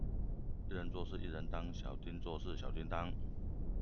一人做事一人當，小叮做事小叮噹